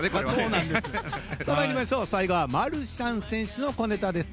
最後はマルシャン選手の小ネタです。